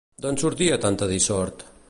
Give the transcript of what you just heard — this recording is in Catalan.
D'on sortia tanta dissort?